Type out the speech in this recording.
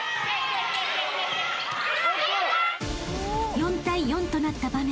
［４対４となった場面］